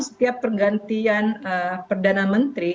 setiap pergantian perdana menteri